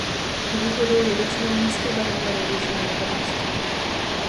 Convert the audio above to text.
Nevýhodou je většinou nízké barevné rozlišení obrázku.